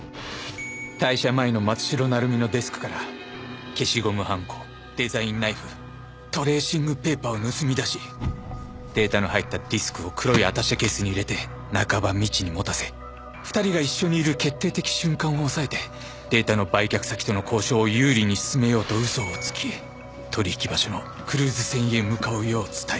退社前の松代成実のデスクから消しゴムはんこデザインナイフトレーシングペーパーを盗み出しデータの入ったディスクを黒いアタッシェケースに入れて中葉美智に持たせ「２人が一緒にいる決定的瞬間を押さえてデータの売却先との交渉を有利に進めよう」と嘘をつき取引場所のクルーズ船へ向かうよう伝えた。